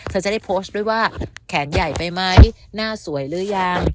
จะได้โพสต์ด้วยว่าแขนใหญ่ไปไหมหน้าสวยหรือยัง